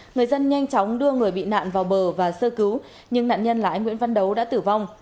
người dân nhanh chóng đưa người bị nạn vào bờ và sơ cứu nhưng nạn nhân là anh nguyễn văn đấu đã tử vong